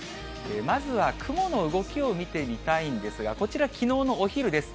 まずは雲の動きを見てみたいんですが、こちら、きのうのお昼です。